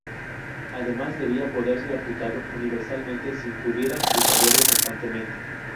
Además, debía poder ser aplicado universalmente sin que hubiera que cambiarlo constantemente.